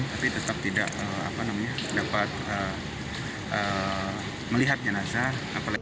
tapi tetap tidak dapat melihat jenazah